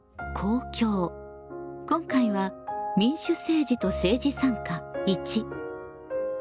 今回は「民主政治と政治参加①」。